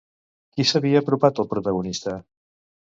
Qui s'havia apropat al protagonista?